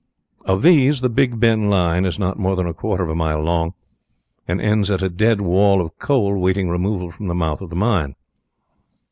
"Of these the Big Ben line is not more than a quarter of a mile long, and ends at a dead wall of coal waiting removal from the mouth of the mine.